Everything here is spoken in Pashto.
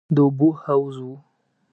د اوبو حوض و.